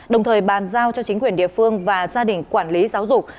đồng thời bàn giao cho chính quyền địa phương và gia đình quản lý giáo dục